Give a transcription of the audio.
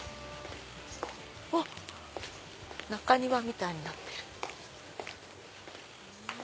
あっ中庭みたいになってる。